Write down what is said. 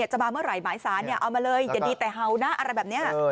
จะมาเมื่อไหร่หมายสารเอามาเลยอย่าดีแต่เห่านะอะไรแบบนี้